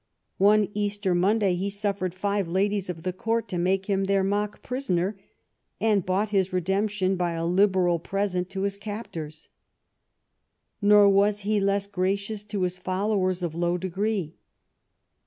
One Easter Monday he suff"ered five ladies of the court to make him their mock prisoner, and bought his redemption by a liberal present to his captors. Nor was he less gracious to his followers of low degree.